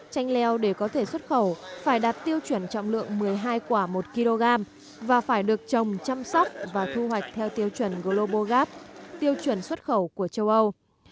chanh leo để có thể xuất khẩu phải đạt tiêu chuẩn trọng lượng một mươi hai quả một kg và phải được trồng chăm sóc và thu hoạch theo tiêu chuẩn global gap tiêu chuẩn xuất khẩu của châu âu